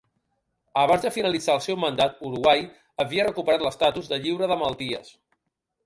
Abans de finalitzar el seu mandat, Uruguai havia recuperat l'estatus de lliure de malalties.